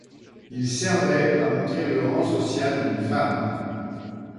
Il servait à montrer le rang social d'une femme.